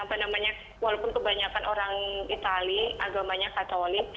walaupun kebanyakan orang itali agamanya katolik